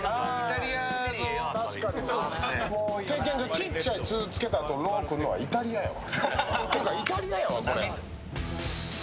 ちっちゃい「ツ」ついたあと「ロ」くるのはイタリアやわ。